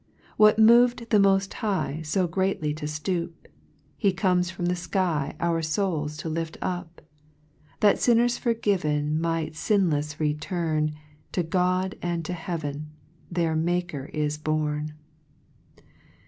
4 What mov'd the Mod High, So greatly to fteop ? He comes from the Iky Our fouls to lift up ; That finners forgiven Might finlefs return, To God and to heaven, Their Maker is born.